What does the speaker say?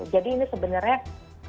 jadi ini sebenarnya kerjasama semua pisau